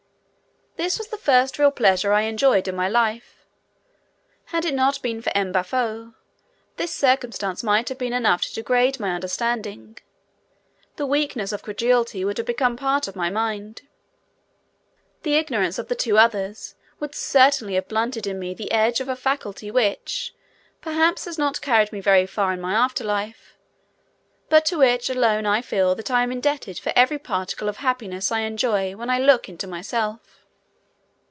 This was the first real pleasure I enjoyed in my life. Had it not been for M. Baffo, this circumstance might have been enough to degrade my understanding; the weakness of credulity would have become part of my mind. The ignorance of the two others would certainly have blunted in me the edge of a faculty which, perhaps, has not carried me very far in my after life, but to which alone I feel that I am indebted for every particle of happiness I enjoy when I look into myself.